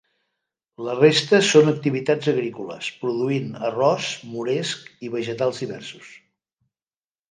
La resta són activitats agrícoles produint arròs, moresc, i vegetals diversos.